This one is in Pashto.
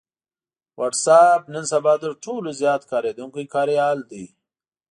وټس اېپ نن سبا تر ټولو زيات کارېدونکی کاريال دی